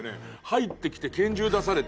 入ってきて拳銃出されて。